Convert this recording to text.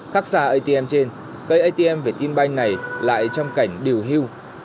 khắc xa atm trên cây atm vietinbank này lại trong cảnh điều hưu